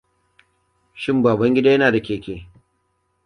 Shin Babangida yana da keke?